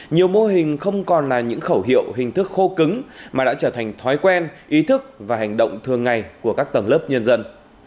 nhiều mô hình không còn là những khẩu hiệu hình thức khô cứng mà đã trở thành thói quen ý thức và hành động thường ngày của các tầng lớp nhân dân